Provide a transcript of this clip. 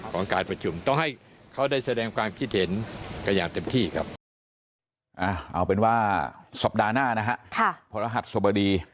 เอาการประชุมต้องให้เขาได้แสดงความคิดเห็นกันอย่างเต็มที่ครับ